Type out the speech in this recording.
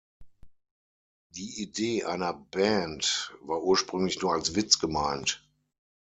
Die Idee einer Band war ursprünglich nur als Witz gemeint.